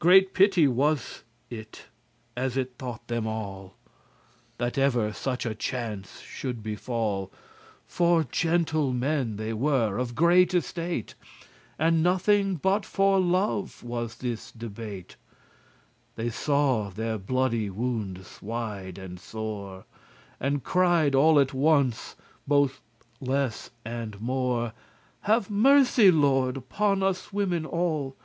Great pity was it as it thought them all, That ever such a chance should befall, For gentle men they were, of great estate, And nothing but for love was this debate They saw their bloody woundes wide and sore, And cried all at once, both less and more, "Have mercy, Lord, upon us women all."